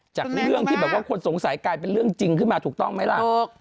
จากเรื่องที่แบบว่าคนสงสัยกลายเป็นเรื่องจริงขึ้นมาถูกต้องไหมล่ะ